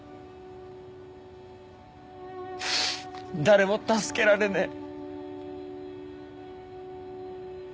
誰も助けられねえ。